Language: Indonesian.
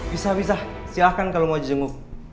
bisa bisa silahkan kalau mau jenguk